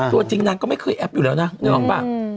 ตัวจริงนางก็ไม่เคยแอบอยู่แล้วนางเดี๋ยวรู้หรือเปล่า